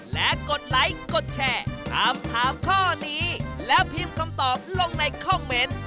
และกดไลค์กดแชร์ถามถามข้อนี้แล้วพิมพ์คำตอบลงในคอมเมนต์